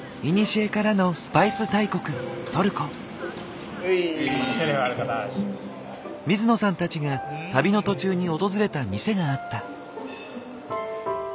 古からのスパイス大国水野さんたちが旅の途中に訪れた店があった。